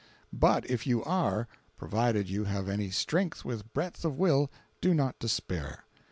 But if you are, provided you have any strength with breadth of will, do not despair.